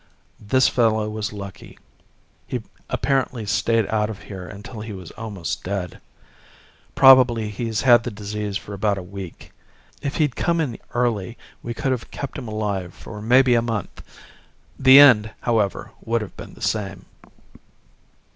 This fellow was lucky. He apparently stayed out of here until he was almost dead. Probably he's had the disease for about a week. If he'd have come in early, we could have kept him alive for maybe a month. The end, however, would have been the same."